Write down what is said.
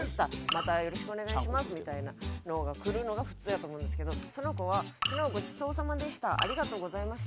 「またよろしくお願いします」みたいなのがくるのが普通やと思うんですけどその子は「昨日ごちそうさまでしたありがとうございました」